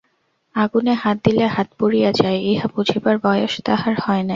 আগুনে হাত দিলে হাত পুড়িয়া যায়, ইহা বুঝিবার বয়স তাহার হয় নাই!